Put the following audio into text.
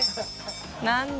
何だ。